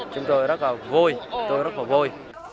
chúng tôi rất vui tôi rất vui